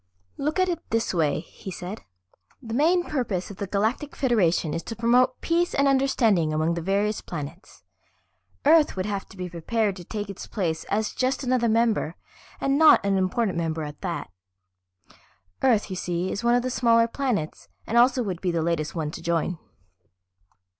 "Look at it this way," he said. "The main purpose of the Galactic Federation is to promote peace and understanding among the various planets. Earth would have to be prepared to take its place as just another member, and not an important member at that. Earth, you see, is one of the smaller planets and also would be the latest one to join.